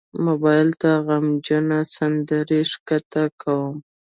موبایل ته غمجن سندرې ښکته کوم.